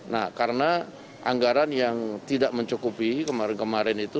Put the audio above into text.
nah karena anggaran yang tidak mencukupi kemarin kemarin itu